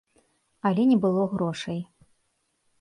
Але не было грошай.